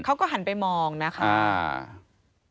เขาก็หันไปมองนะคะ